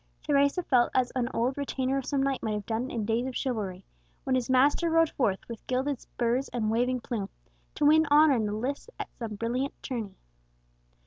Teresa felt as an old retainer of some knight might have done in days of chivalry, when his master rode forth, with gilded spurs and waving plume, to win honour in the lists at some brilliant tourney.